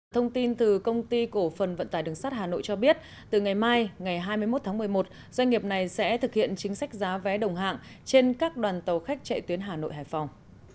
thông tin từ công ty cổ phần vận tải đường sắt hà nội cho biết từ ngày mai ngày hai mươi một tháng một mươi một doanh nghiệp này sẽ thực hiện chính sách giá vé đồng hạng trên các đoàn tàu khách chạy tuyến hà nội hải phòng